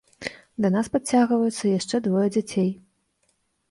Да нас падцягваюцца яшчэ двое дзяцей.